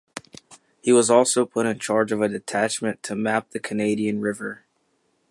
He was also put in charge of a detachment to map the Canadian River.